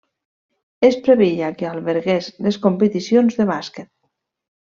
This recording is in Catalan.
Es preveia que albergués les competicions de bàsquet.